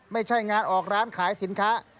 ไม่ใช่งานออกร้านขายสินค้า